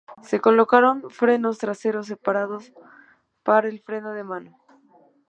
Se colocaron frenos traseros separados para el freno de mano.